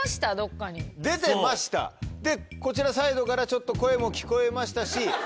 こちらサイドからちょっと声も聞こえましたし。